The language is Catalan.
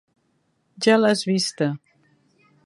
Ja l'has vista.